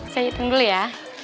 saya hitung dulu ya